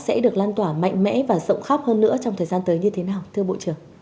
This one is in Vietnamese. sẽ được lan tỏa mạnh mẽ và rộng khắp hơn nữa trong thời gian tới như thế nào thưa bộ trưởng